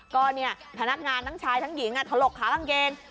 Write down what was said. ก็พนักงานน้องชายทั้งหญิงถลกขาบางเกง